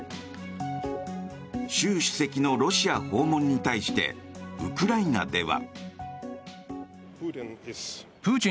習主席のロシア訪問に対してウクライナでは。